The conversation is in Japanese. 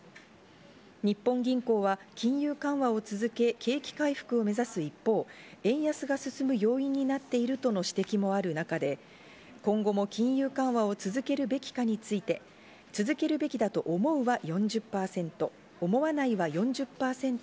日本銀行は金融緩和を続け、景気回復を目指す一方、円安が進む要因になっているとの指摘もある中で、今後も金融緩和を続けるべきかについて、松並さん、よろしくお願いします。